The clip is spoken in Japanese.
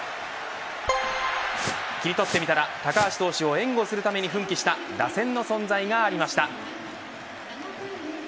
キリトってみたら高橋投手を援護するために奮起した打線の存在がありました。